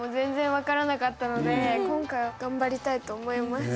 今回は頑張りたいと思います。